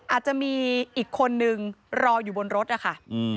อาจจะมีอีกคนนึงรออยู่บนรถนะคะ